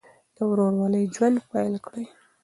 د ورورولۍ ژوند پیل کړئ.